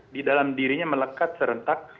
di dalam dirinya melekat serentak